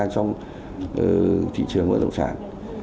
trong thị trường bất động sản